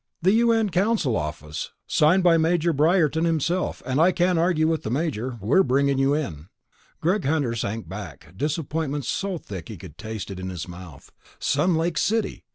"The U.N. Council office. Signed by Major Briarton himself and I can't argue with the Major. We're bringing you in." Greg Hunter sank back, disappointment so thick he could taste it in his mouth. Sun Lake City!